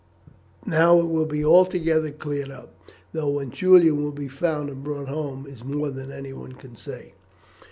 Now it will be altogether cleared up. Though when Julian will be found and brought home is more than anyone can say."